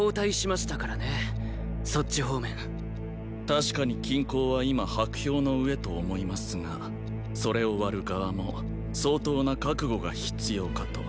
確かに均衡は今薄氷の上と思いますがそれを割る側も相当な覚悟が必要かと。